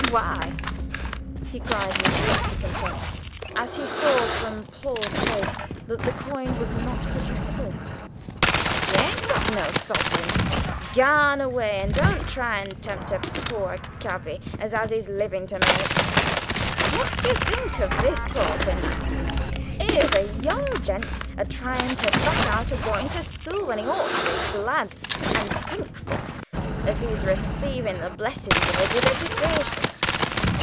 Why," he cried with lofty contempt as he saw from Paul's face that the coin was not producible, "y'ain't got no suffering! Garn away, and don't try to tempt a pore cabby as has his livin' to make. What d'ye think of this, porter, now? 'Ere's a young gent a tryin' to back out o' going to school when he ought to be glad and thankful as he's receivin' the blessin's of a good eddication.